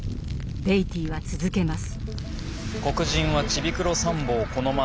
ベイティーは続けます。